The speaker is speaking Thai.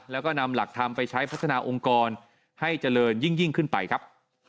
แล้วก็นำหลักธรรมไปใช้พัฒนาองค์กรให้เจริญยิ่งขึ้นไปครับ